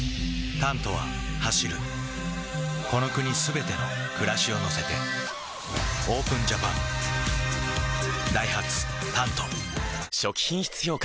「タント」は走るこの国すべての暮らしを乗せてＯＰＥＮＪＡＰＡＮダイハツ「タント」初期品質評価